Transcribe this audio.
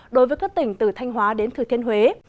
đối với các tỉnh từ thanh hóa đến thừa thiên huế